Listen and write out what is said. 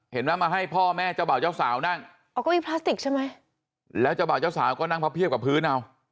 มาให้พ่อแม่เจ้าบ่าวเจ้าสาวนั่งอ๋อเก้าอี้พลาสติกใช่ไหมแล้วเจ้าบ่าวเจ้าสาวก็นั่งพับเพียบกับพื้นเอา